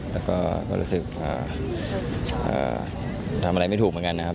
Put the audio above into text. แล้วก็รู้สึกทำอะไรไม่ถูกเหมือนกันนะครับ